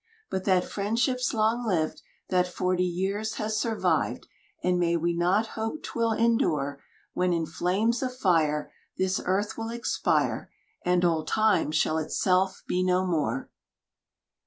But that friendship's long lived That forty years has survived, And may we not hope 'twill endure, When in flames of fire This earth will expire, And old time shall itself be no more.